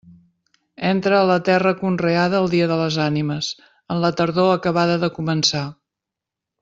Entra a la terra conreada el dia de les Ànimes, en la tardor acabada de començar.